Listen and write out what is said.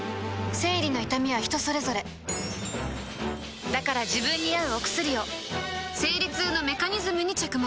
生理の痛みは人それぞれだから自分に合うお薬を生理痛のメカニズムに着目